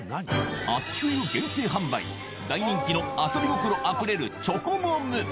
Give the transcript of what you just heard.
秋冬限定販売、大人気の遊び心あふれるチョコボム。